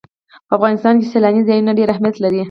په افغانستان کې سیلانی ځایونه ډېر اهمیت لري.